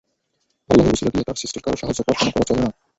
আল্লাহর উসিলা দিয়ে তাঁর সৃষ্টির কারো সাহায্য প্রার্থনা করা চলে না।